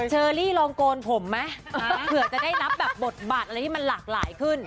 เชอรี่ลองโกนผมไหมเผื่อจะได้รับแบบบทบาทอะไรที่มันหลากหลายขึ้น